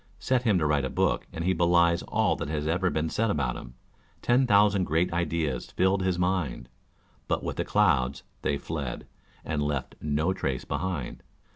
Set him to write a book, and he belies all that has been ever said about him Ten thousand great ideas filled his mind. But with the clouds they fled, and left no trace behind.